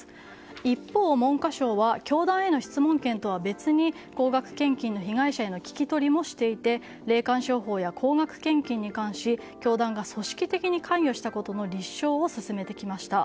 一方、文科省は教団への質問権とは別に高額献金の被害者への聞き取りもしていて霊感商法や高額献金に関し教団が組織的に関与したことの立証を進めてきました。